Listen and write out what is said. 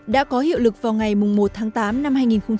đã có hiệu lực vào ngày một tháng tám năm hai nghìn hai mươi